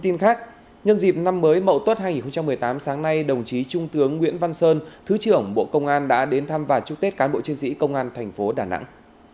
nhân dịp năm mới mậu tuất hai nghìn một mươi tám sáng nay đồng chí trung tướng nguyễn văn sơn thứ trưởng bộ công an đã đến thăm và chúc tết cán bộ chiến sĩ công an thành phố đà nẵng